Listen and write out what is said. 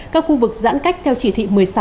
các khu vực giãn cách theo chỉ thị một mươi sáu